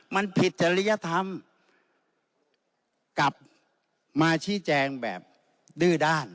มันผิดจริยธรรมกลับมาชี้แจงแบบดื้อด้าน